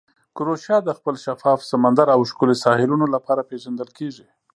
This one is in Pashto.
کروشیا د خپل شفاف سمندر او ښکلې ساحلونو لپاره پېژندل کیږي.